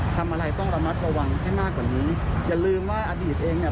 ทำอะไรต้องระมัดระวังให้มากกว่านี้อย่าลืมว่าอดีตเองเนี่ย